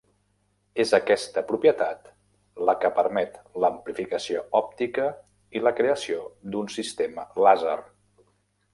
És aquesta propietat la que permet l'amplificació òptica i la creació d'un sistema làser.